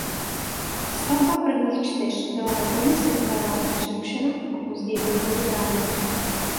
Stavba prvních čtyř byla za první světové války přerušena a později byly rozebrány.